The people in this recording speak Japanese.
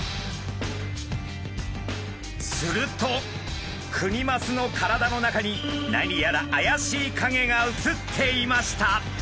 するとクニマスの体の中に何やら怪しい影が写っていました！